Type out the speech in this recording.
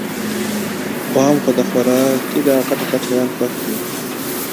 وام خو د خوارکي داغټ غټ شیان خوښ دي